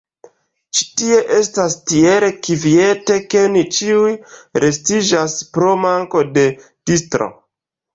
Ĉi tie estas tiel kviete ke ni ĉiuj rustiĝas pro manko de distro.